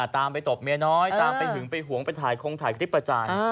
ตามไปตบเมียน้อยตามไปหึงไปหวงไปถ่ายคงถ่ายคลิปประจาน